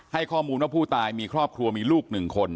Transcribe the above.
ให้ข้อมูลว่าผู้ตายมีครอบครัวมีลูก๑คน